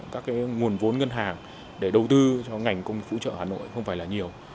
các nguồn vốn ngân hàng để đầu tư cho ngành công trợ hà nội không phải là nhiều